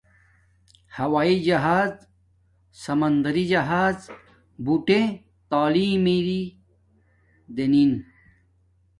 ہوایݵ جہاز۔ سمندری جہاز۔ بوٹے تعلیم ما اݷ دنن